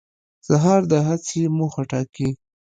سهار د هڅې موخه ټاکي.